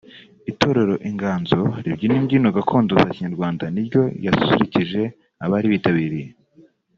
Itorero Inganzo ribyina imbyino gakondo za Kinyarwanda niryo ryasusurukije abari bitabiriye